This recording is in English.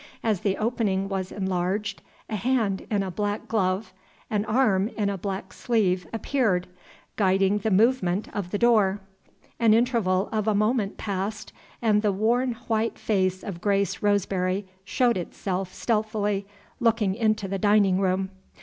As the opening was enlarged a hand in a black glove, an arm in a black sleeve, appeared, guiding the movement of the door. An interval of a moment passed, and the worn white face of Grace Roseberry showed itself stealthily, looking into the dining room.